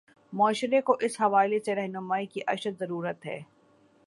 معاشرے کو اس حوالے سے راہنمائی کی اشد ضرورت ہے۔